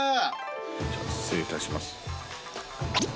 じゃあ失礼いたします。